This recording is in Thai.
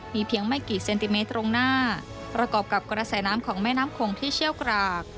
เพียงไม่กี่เซนติเมตรตรงหน้าประกอบกับกระแสน้ำของแม่น้ำโขงที่เชี่ยวกราก